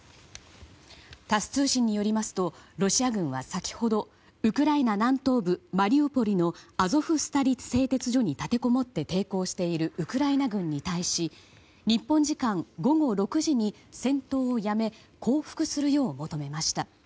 タス通信によりますとロシア軍は先ほどウクライナ南東部マリウポリのアゾフスタリ製鉄所に立てこもって抵抗しているウクライナ軍に対し日本時間午後６時に、戦闘をやめ降伏するよう求めました。